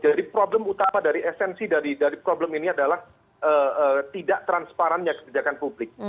jadi problem utama dari esensi dari problem ini adalah tidak transparannya kebijakan publik